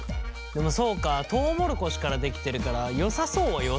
でもそうかトウモロコシから出来てるからよさそうはよさそうか。